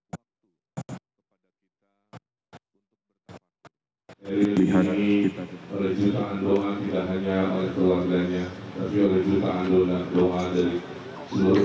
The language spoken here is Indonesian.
saya juga berjutaan doa tidak hanya pada keluarganya tapi juga berjutaan doa dari seluruh